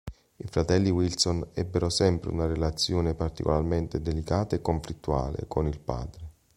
I fratelli Wilson ebbero sempre una relazione particolarmente delicata e conflittuale con il padre.